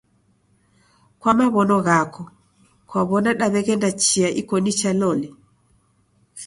Kwa maw'ono ghako kwaw'ona daw'eghenda chia iko nicha loli?